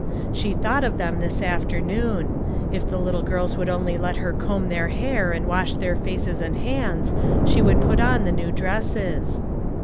She thought of them this afternoon. If the little girls would only let her comb their hair and wash their faces and hands, she would put on the new dresses.